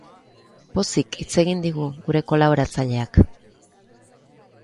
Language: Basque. Pozik hitz egin digu gure kolaboratzaileak.